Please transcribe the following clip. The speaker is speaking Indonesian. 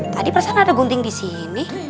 tadi perasaan ada gunting disini